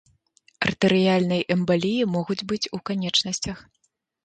Артэрыяльнай эмбаліі могуць быць у канечнасцях.